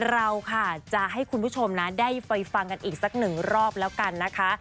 เราค่ะจะให้คุณผู้ชมนะได้ไปฟังกันอีกสักหนึ่งรอบแล้วกันนะคะ